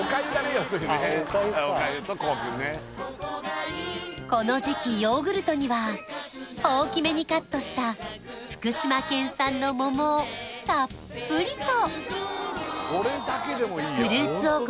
要するにねあっおかゆかこの時期ヨーグルトには大きめにカットした福島県産の桃をたっぷりとフルーツ王国